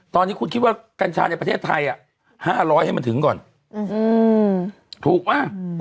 ตอนนี้คุณคิดว่ากัญชาในประเทศไทย๕๐๐ให้มันถึงก่อนถูกป่ะ